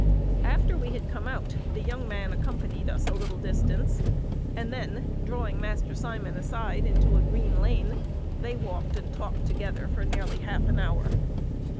After we had come out, the young man accompanied us a little distance, and then, drawing Master Simon aside into a green lane, they walked and talked together for nearly half an hour.